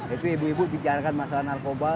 itu ibu ibu bicarakan masalah narkoba